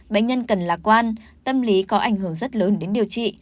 bệnh nhân cần lạc quan tâm lý có ảnh hưởng rất lớn đến điều trị